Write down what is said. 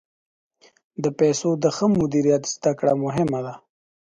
د پیسو د ښه مدیریت زده کړه مهمه ده.